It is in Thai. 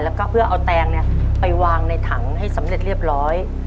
แล้วก็เพื่อเอาแตงไปวางในถังให้สำเร็จเรียบร้อย